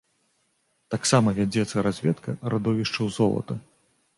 Таксама вядзецца разведка радовішчаў золата.